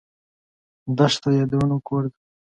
دښته د یادونو کور ده.